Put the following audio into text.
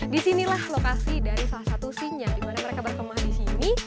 di sinilah lokasi dari salah satu sinya dimana mereka berkemah di sini